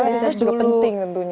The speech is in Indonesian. research juga penting tentunya